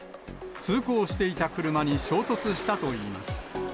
通行していた車に衝突したといいます。